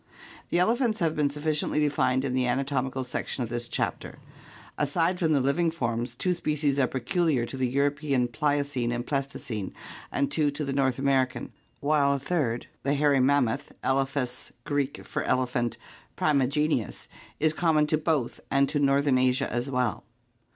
The elephants have been sufficiently defined in the anatomical section of this chapter. Aside from the living forms, two species are peculiar to the European Pliocene and Pleistocene and two to PROBOSCIDEANS 601 the North American, while a third, the hairy mammoth, Elephas (Gr. eX^as, elephant) primigenius, is common to both and to northern Asia as well.